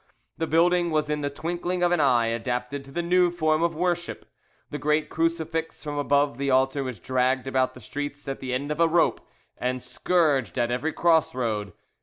The building was in the twinkling of an eye adapted to the new form of worship: the great crucifix from above the altar was dragged about the streets at the end of a rope and scourged at every cross roads.